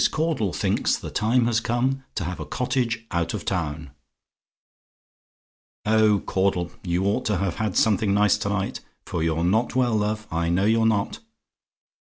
CAUDLE THINKS "THE TIME HAS COME TO HAVE A COTTAGE OUT OF TOWN" "Oh, Caudle, you ought to have had something nice to night; for you're not well, love I know you're not.